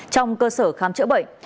trong cơ sở khám chữa bệnh